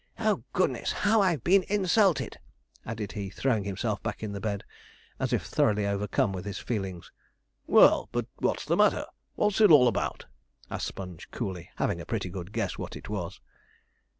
oh, goodness, how I've been insulted!' added he, throwing himself back in the bed, as if thoroughly overcome with his feelings. 'Well, but what's the matter? what is it all about?' asked Sponge coolly, having a pretty good guess what it was.